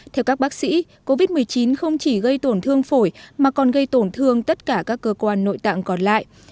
theo các bác sĩ covid một mươi chín không chỉ gây tổn thương phổi mà còn gây tổn thương tất cả các cơ quan nội tạng còn lại